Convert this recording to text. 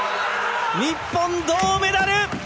日本、銅メダル！